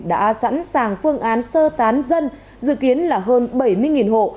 đã sẵn sàng phương án sơ tán dân dự kiến là hơn bảy mươi hộ